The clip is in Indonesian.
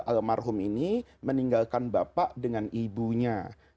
almarhum ini meninggalkan bapak dengan ibunya